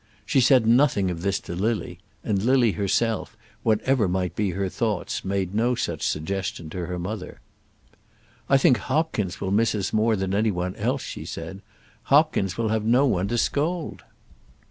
She said nothing of this to Lily, and Lily herself, whatever might be her thoughts, made no such suggestion to her mother. "I think Hopkins will miss us more than any one else," she said. "Hopkins will have no one to scold."